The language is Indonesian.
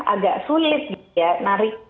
agak sulit ya narik